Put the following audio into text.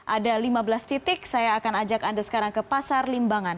ada lima belas titik saya akan ajak anda sekarang ke pasar limbangan